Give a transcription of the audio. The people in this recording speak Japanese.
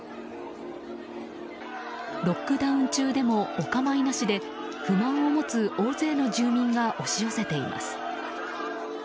ロックダウン中でもお構いなしで不満を持つ大勢の住民が押し寄せています。